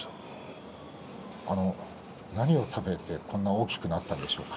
何を食べてこんなに大きくなったんでしょうか？